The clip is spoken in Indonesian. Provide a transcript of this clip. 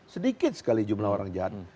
sedikit sekali jumlah orang jahat